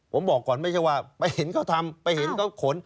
ผมบอกก่อนไม่ใช่ว่าไปเห็นเขาทำไปเห็นเขาขน